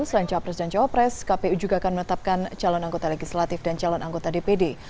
selain capres dan cawapres kpu juga akan menetapkan calon anggota legislatif dan calon anggota dpd